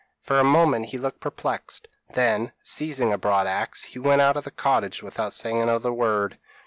For a moment he looked perplexed; then, seizing a broad axe, he went out of the cottage without saying another word.